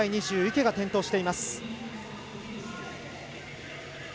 池が転倒しています。